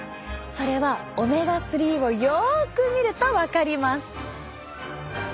それはオメガ３をよく見ると分かります。